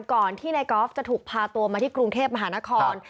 ก่อนที่นายกอล์ฟจะถูกพาตัวมาที่กรุงเทพมหานคร